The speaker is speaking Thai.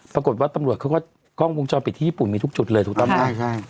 ปรากฏว่าตำรวจเขาก็กล้องวงจรปิดที่ญี่ปุ่นมีทุกจุดเลยถูกต้องไหมใช่ใช่